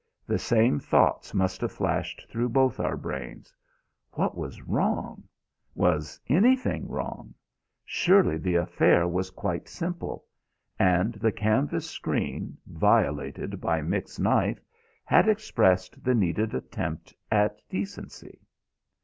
The same thoughts must have flashed through both our brains. What was wrong? Was anything wrong? Surely the affair was quite simple; and the canvas screen, violated by Mick's knife, had expressed the needed attempt at decency.